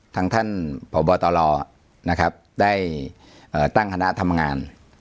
ท่านพบตรนะครับได้ตั้งคณะทำงาน